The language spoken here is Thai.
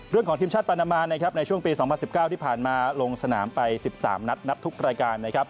เรื่องของทีมชาติปานามานในช่วงปี๒๐๑๙ที่ผ่านมาลงสนามไป๑๓นัดนับทุกรายการ